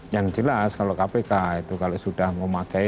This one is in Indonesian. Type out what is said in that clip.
yang jelas kalau kpk itu kalau sudah memakai